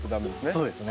そうですね。